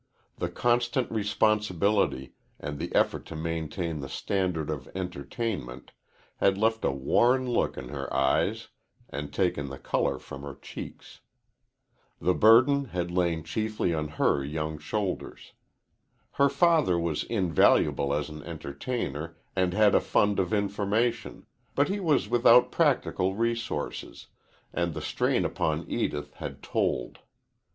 The constant responsibility, and the effort to maintain the standard of entertainment, had left a worn look in her eyes and taken the color from her cheeks. The burden had lain chiefly on her young shoulders. Her father was invaluable as an entertainer and had a fund of information, but he was without practical resources, and the strain upon Edith had told.